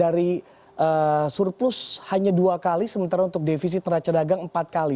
dari surplus hanya dua kali sementara untuk defisit neraca dagang empat kali